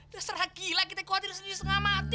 dah serah gila kita khawatir sendiri setengah mati